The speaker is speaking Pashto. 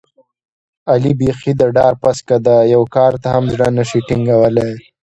علي بیخي د ډار پسکه دی، یوه کار ته هم زړه نشي ټینګولی.